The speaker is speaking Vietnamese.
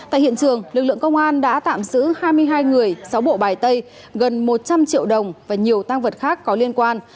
tại hiện trường lực lượng công an đã tạm giữ hai mươi hai người sáu bộ bài tay gần một trăm linh triệu đồng và nhiều tăng vật khác có liên quan